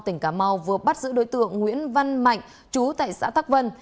công an xã tắc vân thành phố cà mau vừa bắt giữ đối tượng nguyễn văn mạnh trú tại xã tắc vân